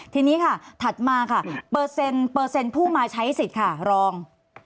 ทีนี้ค่ะถัดมาค่ะเปอร์เซ็นต์ผู้มาใช้สิทธิ์ค่ะรอง